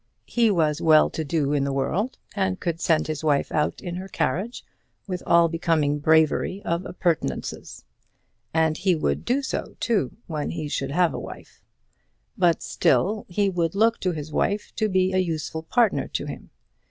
He was well to do in the world, and could send his wife out in her carriage, with all becoming bravery of appurtenances. And he would do so, too, when he should have a wife. But still he would look to his wife to be a useful partner to him.